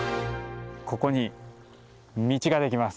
ここに道ができます。